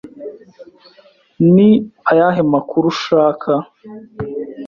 Ni ayahe makuru ushaka?